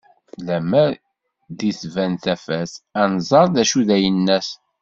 Lemmer di d-tban tafat, ad nẓer d acu i d ayennat